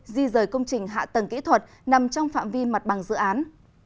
di rời công trình hạ tầng kỹ thuật nằm trong phạm vi mặt bằng dự án